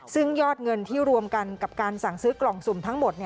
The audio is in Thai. ซึ่งยอดเงินที่รวมกันกับการสั่งซื้อกล่องสุ่มทั้งหมด